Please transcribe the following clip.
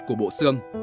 của bộ xương